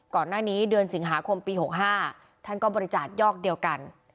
ก่อนหน้านี้เดือนสิงหาคมปี๖๕ท่านก็บริจาคยอกเดียวกัน